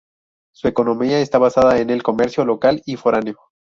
Su economía está basada en el comercio local y foráneo.